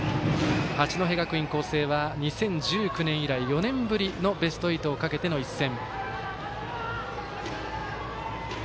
八戸学院光星は２０１９年以来４年ぶりのベスト８をかけての一戦。